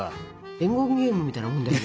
伝言ゲームみたいなものだよね。